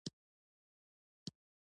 سرغړوونکي باید سخت مجازات کړي.